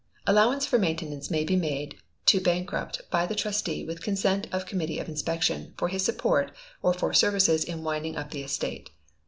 Allowance for maintenance may be made to bankrupt by the Trustee with consent of committee of inspection, for his support, or for services in winding up the estate.